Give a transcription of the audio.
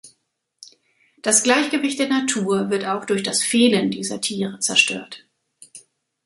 Das Gleichgewicht der Natur wird auch durch das Fehlen dieser Tiere zerstört.